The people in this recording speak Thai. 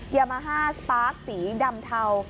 ยามาฮ่าสปาร์คสีดำเทา